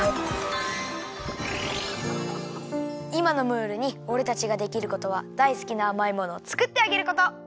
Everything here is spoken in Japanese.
いまのムールにおれたちができることはだいすきなあまいものをつくってあげること。